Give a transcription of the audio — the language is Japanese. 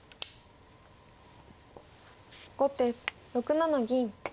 後手６七銀。